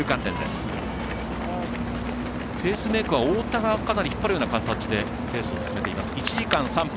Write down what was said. ペースメーカーの選手がかなり引っ張るような形でペースを進めています。